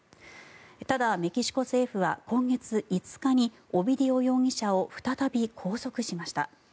ただ、メキシコ政府は今月５日にオビディオ容疑者を再び拘束しました。